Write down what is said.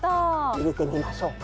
入れてみましょうか。